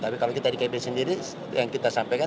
tapi kalau kita di kib sendiri yang kita sampaikan